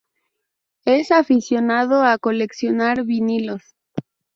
Es aficionado a coleccionar vinilos.